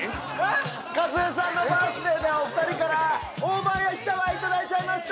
カズエさんのバースデイでお二人から大判焼きタワーいただいちゃいました！